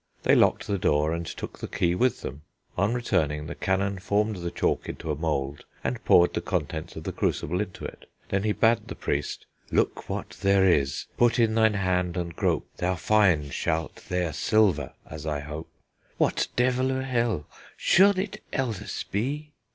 They locked the door, and took the key with them. On returning, the canon formed the chalk into a mould, and poured the contents of the crucible into it. Then he bade the priest, Look what ther is, put in thin hand and grope, Thow fyndè shalt ther silver, as I hope. What, devel of hellè! Sholde it ellis be?